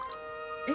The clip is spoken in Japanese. え？